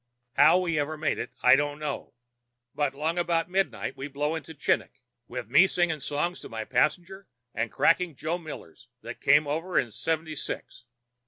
How we ever made it I don't know, but along about midnight we blow into Chinik, with me singing songs to my passenger and cracking 'Joe Millers' that came over in seventy six.